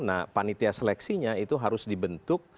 nah panitia seleksinya itu harus dibentuk